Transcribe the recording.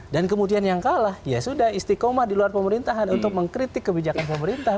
dan kemudian yang kalah ya sudah istiqomah di luar pemerintahan untuk mengkritik kebijakan pemerintah